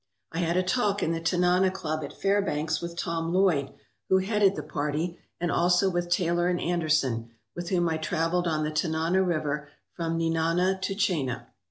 I had a talk in the Tanana Club at Fairbanks with Tom Lloyd, who headed the party, and also with Taylor and Anderson, with whom I travelled on the Tanana River from Nenana to Chena.